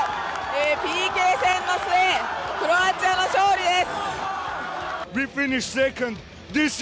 ＰＫ戦の末、クロアチアの勝利です。